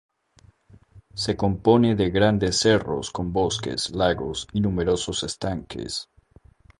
Se compone de grandes cerros con bosques, lagos y numerosos estanques.